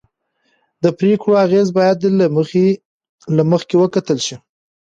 د پرېکړو اغېز باید له مخکې وکتل شي